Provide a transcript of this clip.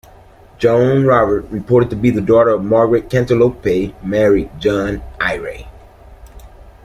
Joan Robert, reported to be the daughter of Margaret Cantilupe, married John Eyre.